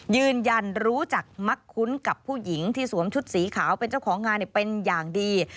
ยืนยันรู้จักมักคุ้นกับผู้หญิงที่สวมชุดสีขาวเป็นเจ้าของงานเป็นอย่างดี